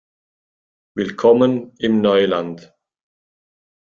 Willkommen im Neuland!